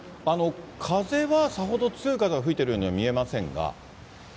風はさほど強い風が吹いているようには見えませんが。